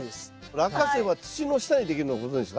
ラッカセイは土の下にできるのご存じですか？